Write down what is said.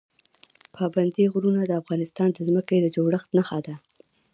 پابندی غرونه د افغانستان د ځمکې د جوړښت نښه ده.